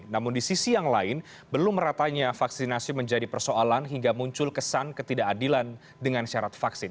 namun di sisi yang lain belum meratanya vaksinasi menjadi persoalan hingga muncul kesan ketidakadilan dengan syarat vaksin